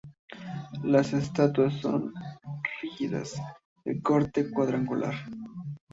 Las estatuas son rígidas, de corte cuadrangular.